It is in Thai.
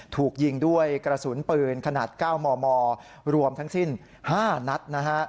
ถูกยิงด้วยกระสุนปืนขนาด๙มมรวมทั้งสิ้น๕นัดนะฮะ